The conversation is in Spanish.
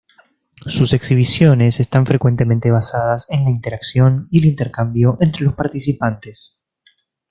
Sus exhibiciones están frecuentemente basadas en la interacción y el intercambio entre los participantes.